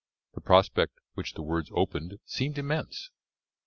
The prospect which the words opened seemed immense.